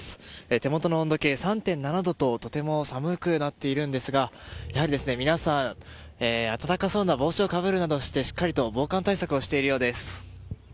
手元の温度計３．７度ととても寒くなっているんですがやはり皆さん暖かそうな帽子をかぶるなどしてしっかりと防寒対策をしているようです。